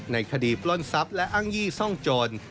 ในคดีปล้นทรัพย์และอ้างยี่ซ่องโจร